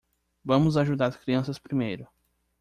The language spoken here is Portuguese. Vamos ajudar as crianças primeiro.